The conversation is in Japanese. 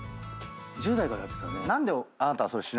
１０代からやってたね。